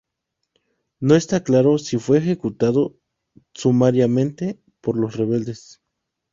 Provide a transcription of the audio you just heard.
No está claro si fue ejecutados sumariamente por los rebeldes.